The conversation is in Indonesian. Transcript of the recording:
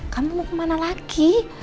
kamu mau kemana lagi